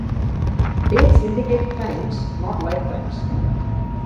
Dates indicate claims, not lifetimes.